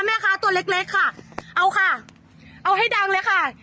ตัวเล็กเล็กค่ะเอาค่ะเอาให้ดังเลยค่ะ